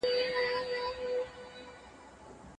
ټولنیز بدلون د خلکو د اړتیاوو له امله رامنځته کېږي.